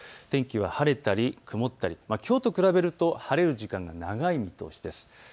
天気は晴れたり曇ったり、きょうと比べると開かれる時間が長い見通しです。